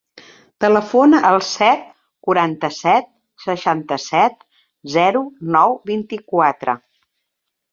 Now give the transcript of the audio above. Telefona al set, quaranta-set, seixanta-set, zero, nou, vint-i-quatre.